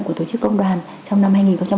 của tổ chức công đoàn trong năm hai nghìn hai mươi ba